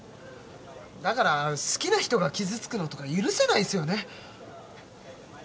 だから好きな人が傷つくのとか許せないんすよね。